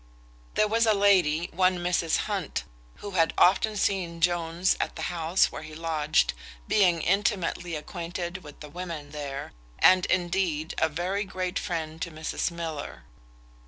There was a lady, one Mrs Hunt, who had often seen Jones at the house where he lodged, being intimately acquainted with the women there, and indeed a very great friend to Mrs Miller.